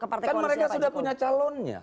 mbak puan sudah punya calonnya